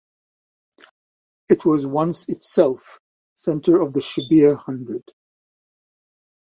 It was once itself centre of the Shebbear hundred.